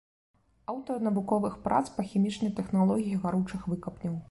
Аўтар навуковых прац па хімічнай тэхналогіі гаручых выкапняў.